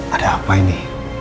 ada apa ini